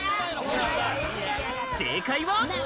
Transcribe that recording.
正解は。